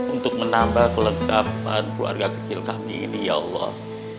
untuk menambah kelengkapan keluarga kecil kami ini ya allah